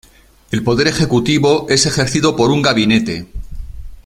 El poder ejecutivo es ejercido por un gabinete.